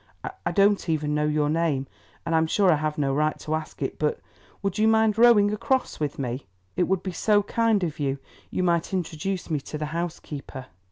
I don't even know your name, and I am sure I have no right to ask it, but would you mind rowing across with me? It would be so kind of you; you might introduce me to the housekeeper."